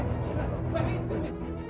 pak aku taruh ustadz aku